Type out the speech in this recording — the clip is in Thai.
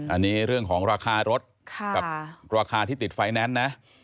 อันนี้เรื่องของราคารถกับราคาที่ติดไฟแนนซ์นะ